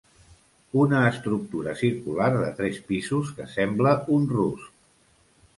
Una estructura circular de tres pisos que sembla un rusc.